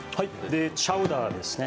チャウダーですね。